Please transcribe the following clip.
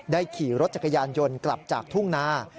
ขี่รถจักรยานยนต์กลับจากทุ่งนา